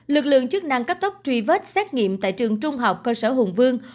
lực lượng chức năng cấp tốc truy vết xét nghiệm tại trường trung học cơ sở hùng vương